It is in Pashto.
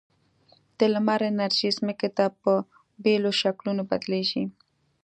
د لمر انرژي ځمکې ته په بېلو شکلونو بدلیږي.